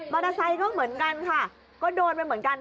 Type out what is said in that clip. เตอร์ไซค์ก็เหมือนกันค่ะก็โดนไปเหมือนกัน